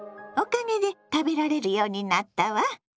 おかげで食べられるようになったわ。